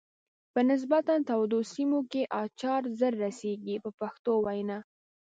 په نسبتا تودو سیمو کې اچار زر رسیږي په پښتو وینا.